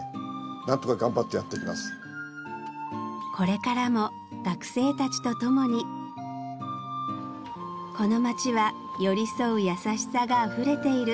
これからも学生たちと共にこの街は寄り添う優しさがあふれている